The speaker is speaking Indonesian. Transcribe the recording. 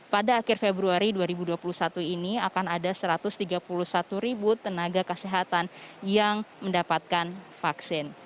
pada akhir februari dua ribu dua puluh satu ini akan ada satu ratus tiga puluh satu ribu tenaga kesehatan yang mendapatkan vaksin